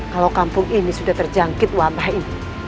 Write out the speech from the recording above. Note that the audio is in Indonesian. kalau kampung ini sudah terjangkit wabah ini